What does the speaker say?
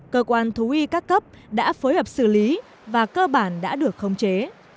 cơ quan thú y các cấp đã phối hợp xử lý và cơ bản đã được khống chế